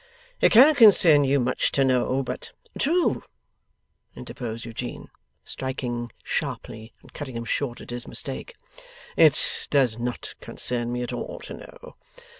'It cannot concern you much to know, but ' 'True,' interposed Eugene, striking sharply and cutting him short at his mistake, 'it does not concern me at all to know.